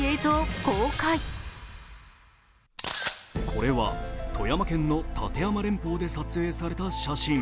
これは富山県の立山連峰で撮影された写真。